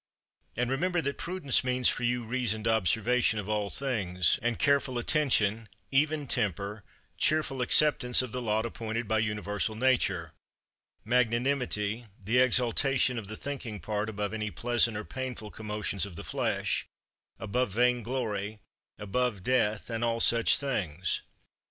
And remember that prudence means for you reasoned observation of all things, and careful attention; even temper, cheerful acceptance of the lot appointed by universal Nature; magnanimity, the exaltation of the thinking part above any pleasant or painful commotions of the flesh, above vain glory, above death and all such things.